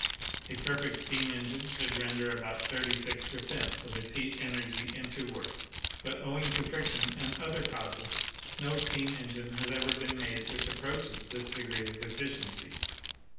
A perfect steam engine should render about 36 per cent, of its heat energy into work, but owing to friction and other causes no steam engine has ever been made which approaches this degree of efficiency.